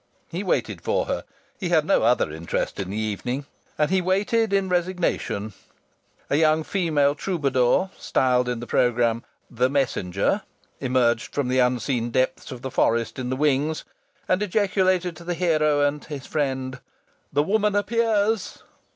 He waited for her he had no other interest in the evening and he waited in resignation; a young female troubadour (styled in the programme "the messenger") emerged from the unseen depths of the forest in the wings and ejaculated to the hero and his friend, "The Woman appears."